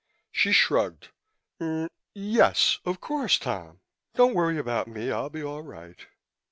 She shrugged. "N yes, of course, Tom. Don't worry about me; I'll be all right."